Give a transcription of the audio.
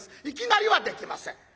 いきなりはできません。